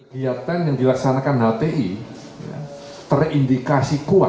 kegiatan yang dilaksanakan hti terindikasi kuat